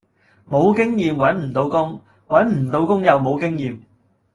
無經驗搵唔到工，搵唔到工又無經驗